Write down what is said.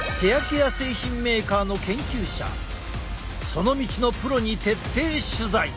その道のプロに徹底取材！